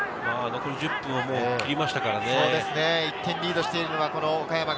残り１０分を切りましたからね。